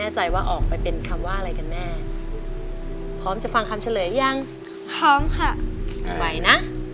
ช่างพศนั้นเป็นไรแต่หัวใจฉันไม่เปลี่ยนตาม